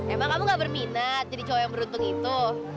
emang kamu gak berminat jadi cowok yang beruntung itu